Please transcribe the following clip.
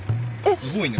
すごいね。